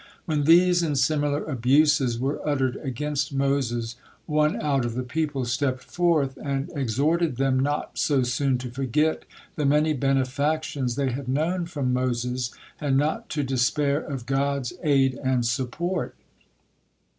When these and similar abuses were uttered against Moses, one out of the people stepped forth and exhorted them not so soon to forget the many benefactions they had known from Moses, and not to despair of God's aid and support.